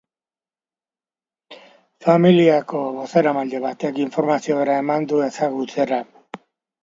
Familiako bozeramale batek informazio bera eman du ezagutzera.